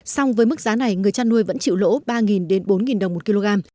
song với mức giá này người chăn nuôi vẫn chịu lỗ ba đến bốn đồng một kg